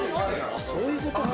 そういうことか。